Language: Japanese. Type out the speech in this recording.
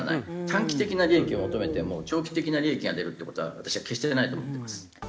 短期的な利益を求めても長期的な利益が出るって事は私は決してないと思ってます。